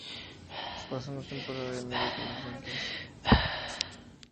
Pasó una temporada y media con los "Yankees".